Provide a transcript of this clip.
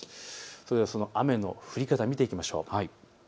それではその雨の降り方を見ていきましょう。